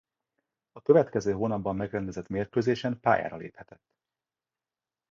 A következő hónapban megrendezett mérkőzésen pályára léphetett.